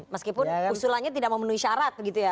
meskipun usulannya tidak memenuhi syarat begitu ya